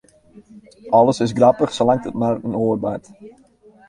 Alles is grappich, salang't it mei in oar bart.